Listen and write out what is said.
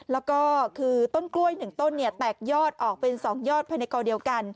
แล้วก็คือต้นกล้วย๑ต้นแตกยอดออกเป็น๒ยอดภายในกอเดียวกัน